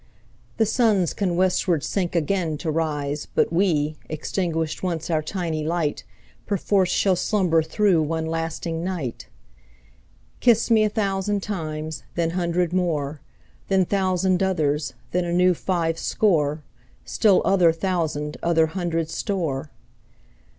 The Suns can westward sink again to rise But we, extinguished once our tiny light, 5 Perforce shall slumber through one lasting night! Kiss me a thousand times, then hundred more, Then thousand others, then a new five score, Still other thousand other hundred store.